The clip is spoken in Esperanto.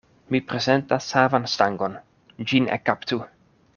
Mi prezentas savan stangon; ĝin ekkaptu.